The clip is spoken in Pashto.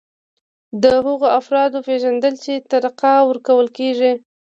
د هغو افرادو پیژندل چې ارتقا ورکول کیږي.